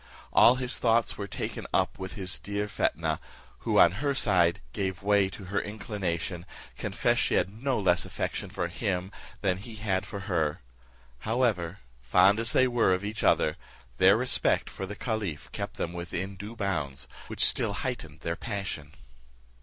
All his thoughts were taken up with his dear Fetnah, who, on her side, gave way to her inclination, confessed she had no less affection for him than he had for her. However, fond as they were of each other, their respect for the caliph kept them within due bounds, which still heightened their passion.